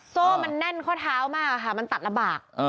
โซ่มันแน่นข้อเท้ามากค่ะมันตัดลำบาก